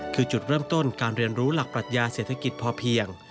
คือจุดเริ่มต้นการเรียนรู้หลักปรัชญาเศรษฐกิจพอเพียง